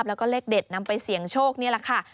แล้วก็เลขเด็ดนำไปเสี่ยงโชคนี่แหละค่ะ